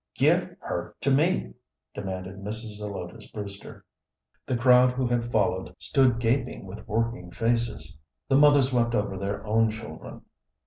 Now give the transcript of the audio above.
"Give her to me!" demanded Mrs. Zelotes Brewster. The crowd who had followed stood gaping with working faces. The mothers wept over their own children.